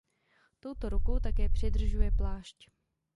Touto rukou také přidržuje plášť.